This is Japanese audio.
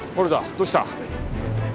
どうした？